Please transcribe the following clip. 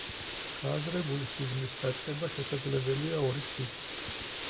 გააზრებული სიზმრის დაწყება შესაძლებელია ორი გზით.